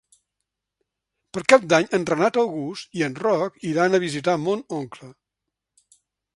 Per Cap d'Any en Renat August i en Roc iran a visitar mon oncle.